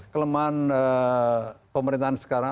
kelemahan pemerintahan sekarang